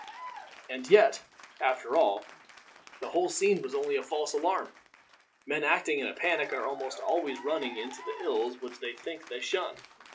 And yet, after all, the whole scene was only a false alarm. Men acting in a panic are almost always running into the ills which they think they shun.